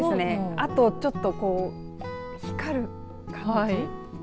あとちょっと光る感じ。